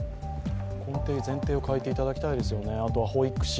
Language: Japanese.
根底、前提を変えていきたいですよね。